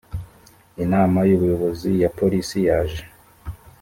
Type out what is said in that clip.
inama y ubuyobozi ya polisi yaje